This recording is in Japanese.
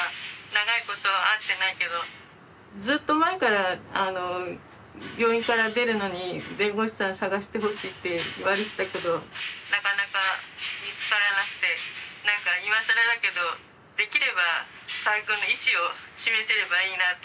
長いこと会ってないけどずっと前から病院から出るのに弁護士さん探してほしいって言われてたけどなかなか見つからなくて何か今更だけどできれば河合くんの意思を示せればいいなと思うんですけども。